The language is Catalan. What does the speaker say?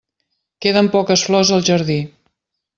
Queden poques flors al jardí.